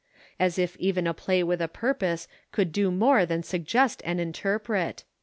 As if even a play with a purpose could do more than suggest and interpret!